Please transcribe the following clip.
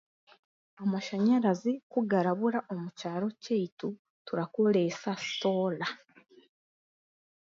Amashanyarazi kugara bura omu kyaro kyeitu turakoreesa soora.